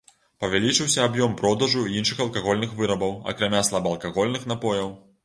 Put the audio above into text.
Павялічыўся аб'ём продажу і іншых алкагольных вырабаў, акрамя слабаалкагольных напояў.